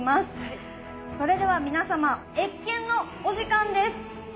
それでは皆様謁見のお時間です。